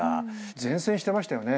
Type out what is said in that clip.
善戦してましたよね。